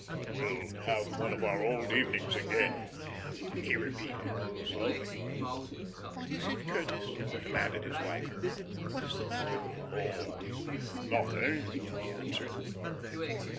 "We'll have one of our old evenings again," he repeated, slowly. "What is it, Curtis?" demanded his wife. "What is the matter?" "Oh nothing," he answered.